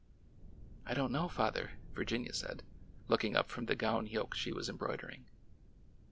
'' I don't know, father," Virginia said, looking up from the gown yoke she was embroidering.